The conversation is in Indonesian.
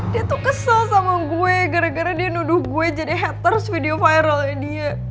dia tuh kesel sama gue gara gara dia nuduh gue jadi haters video viralnya dia